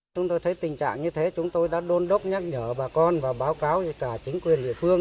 chúng tôi thấy tình trạng như thế chúng tôi đã đôn đốc nhắc nhở bà con và báo cáo cho cả chính quyền địa phương